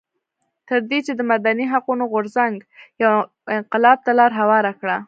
تر دې چې د مدني حقونو غورځنګ یو انقلاب ته لار هواره کړه.